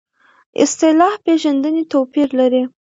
اصطلاح پېژندنې توپیر لري.